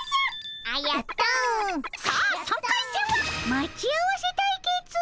待ち合わせ対決。